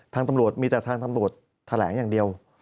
ทางตำรวจมีแต่ทางตำรวจแถลงอย่างเดียว